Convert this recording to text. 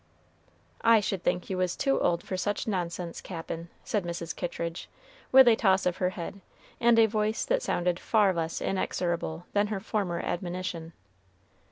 "I should think you was too old for such nonsense, Cap'n," said Mrs. Kittridge, with a toss of her head, and a voice that sounded far less inexorable than her former admonition.